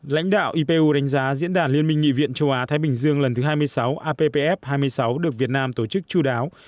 lãnh đạo ipu đánh giá diễn đàn liên minh nghị viện châu á thái bình dương lần thứ hai mươi sáu appf hai mươi sáu được việt nam tổ chức chú đáo